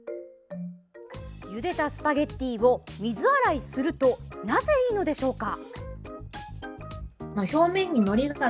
ゆでたスパゲッティを水洗いするとなぜいいのでしょうか？